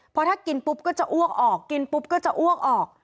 พอถ้ากินปุ๊บก็จะอ้วกออกกินปุ๊บก็จะอ้วกออก